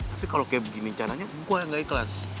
tapi kalau kayak begini caranya gue yang enggak ikhlas